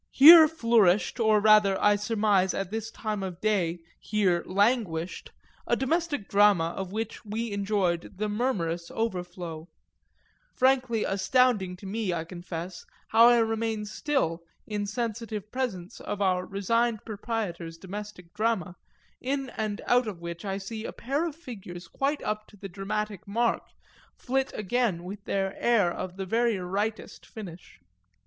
Here flourished, or rather, I surmise at this time of day, here languished, a domestic drama of which we enjoyed the murmurous overflow: frankly astounding to me, I confess, how I remain still in sensitive presence of our resigned proprietor's domestic drama, in and out of which I see a pair of figures quite up to the dramatic mark flit again with their air of the very rightest finish.